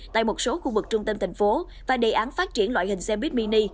tại một số khu vực trung tâm thành phố và đề án phát triển loại hình xe buýt mini